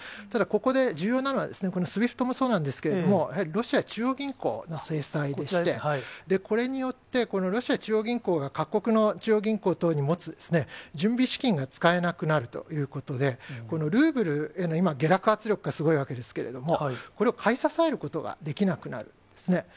ただここで重要なのは、このＳＷＩＦＴもそうなんですけれども、やはりロシア中央銀行の制裁でして、これによって、このロシア中央銀行が各国の中央銀行等に持つ準備資金が使えなくなるということで、ルーブルへの下落圧力がすごいわけですけれども、これを買い支えることができなくなるんですね。